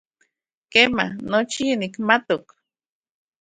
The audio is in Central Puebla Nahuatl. Kema, nochi yinikmatok.